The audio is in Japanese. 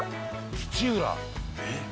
土浦。